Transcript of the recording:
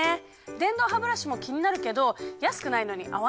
電動ハブラシも気になるけど安くないのに合わなかったら嫌だし！